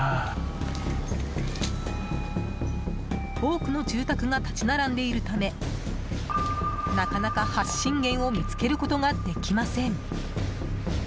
多くの住宅が立ち並んでいるためなかなか発信源を見つけることができません。